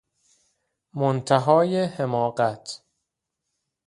منتهای حماقت!